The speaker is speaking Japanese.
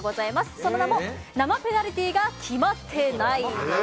その名も生ペナルティーが決まってない！です。